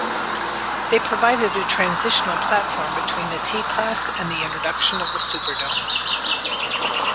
They provided a transitional platform between the T-class and the introduction of the Superdome.